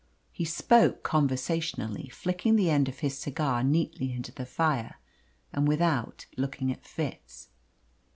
He spoke conversationally, flicking the end of his cigar neatly into the fire, and without looking at Fitz.